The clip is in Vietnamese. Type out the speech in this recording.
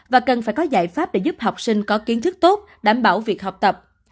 và cần phải có giải pháp để giúp học sinh có kiến thức tốt đảm bảo việc học tập